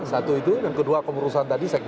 satu itu dan kedua kemurusan tadi sekjen